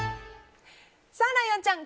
ライオンちゃん